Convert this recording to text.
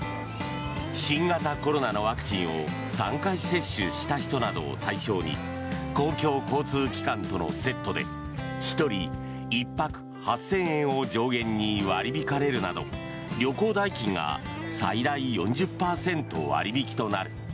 新型コロナのワクチンを３回接種した人などを対象に公共交通機関とのセットで１人１泊８０００円を上限に割り引かれるなど旅行代金が最大４０％割引となる。